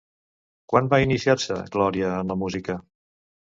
Quan va iniciar-se Glòria en la música?